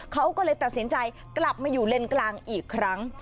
เขาก็เลยตัดสินใจกลับมาอยู่เลนกลางอีกครั้ง